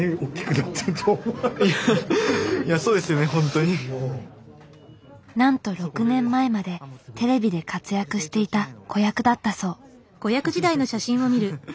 なんと６年前までテレビで活躍していた子役だったそう。